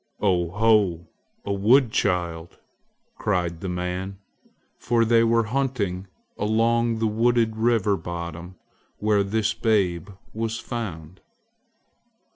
"Oh ho, a wood child!" cried the men, for they were hunting along the wooded river bottom where this babe was found.